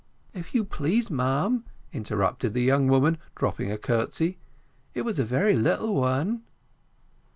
"If you please, ma'am," interrupted the young woman, dropping a curtsey, "it was a very little one."